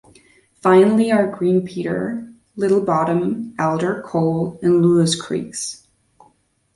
Finally are Green Peter, Little Bottom, Alder, Coal, and Lewis creeks.